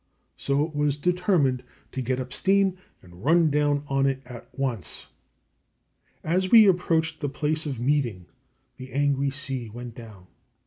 So it was determined to get up steam and run down on it at once. As we approached the place of meeting the angry sea went down.